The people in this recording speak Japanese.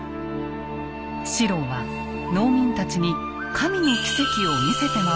四郎は農民たちに神の奇跡を見せて回ったと伝わります。